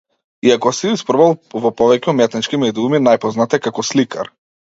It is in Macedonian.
Иако се испробал во повеќе уметнички медиуми, најпознат е како сликар.